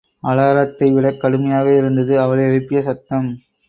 அலாரத்தை விடக் கடுமையாக இருந்தது அவள் எழுப்பிய சத்தம்.